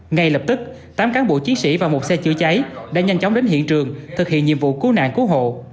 ngay lập tức tám cán bộ chiến sĩ và một xe chữa cháy đã nhanh chóng đến hiện trường thực hiện nhiệm vụ cứu nạn cứu hộ